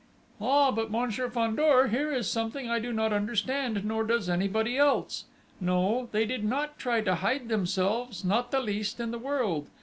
"Ah, but, Monsieur Fandor, here is something I do not understand, nor does anybody else!... No, they did not try to hide themselves not the least in the world!